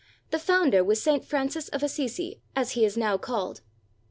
The founder was St. Francis of Assisi, as he is now called.